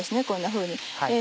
こんなふうに。